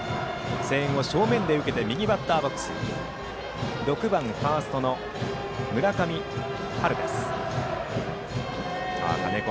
声援を正面で受けて右バッターボックス６番ファースト、村上陽琉です。